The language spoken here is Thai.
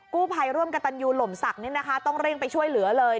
กู้ภัยร่วมกับตันยูหล่มศักดิ์ต้องเร่งไปช่วยเหลือเลย